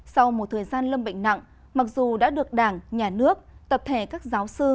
sau một thời gian lâm bệnh nặng mặc dù đã được đảng nhà nước tập thể các giáo sư